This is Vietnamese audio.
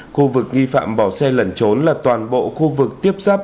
khu vực nghi phạm bỏ xe lẩn trốn là toàn bộ khu vực tiếp giáp